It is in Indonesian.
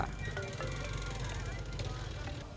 kini orang siap bahkan mewajibkan adanya lantunan syair dalam setiap pesta